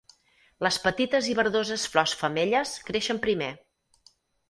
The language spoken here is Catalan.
Les petites i verdoses flors femelles creixen primer.